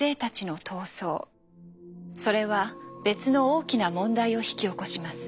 それは別の大きな問題を引き起こします。